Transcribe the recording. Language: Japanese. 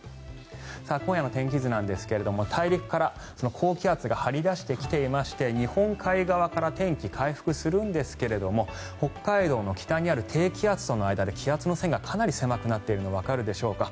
今夜の天気図なんですが大陸から高気圧が張り出してきていまして日本海側から天気、回復するんですが北海道の北にある低気圧との間で気圧の線がかなり狭くなっているのがわかるでしょうか。